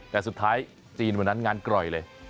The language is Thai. แต่สุดท้ายจีนวันนั้นงานกร่อยเลย